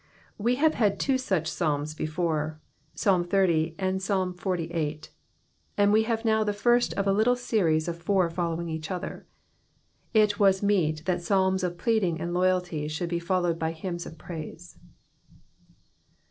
We have had two such Psalms before. Psalms XXX. and XL VIII, and we have now the first of a little series of four following each other. It was meant that Psalms of Reading and longing should befoUowA by hymns of praise.